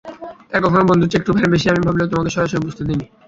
তাই কখনো বন্ধুর চেয়ে একটুখানি বেশি আমি ভাবলেও তোমাকে সরাসরি বুঝতে দিইনি।